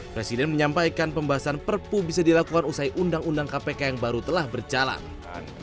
presiden menyampaikan pembahasan perpu bisa dilakukan usai undang undang kpk yang baru telah berjalan